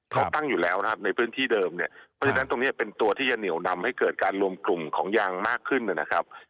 เขาตั้งอยู่แล้วนะครับในพื้นที่เดิมเนี่ยเพราะฉะนั้นตรงนี้เป็นตัวที่จะเหนียวนำให้เกิดการรวมกลุ่มของยางมากขึ้นนะครับ